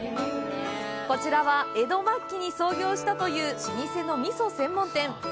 こちらは、江戸末期に創業したという老舗の味噌専門店。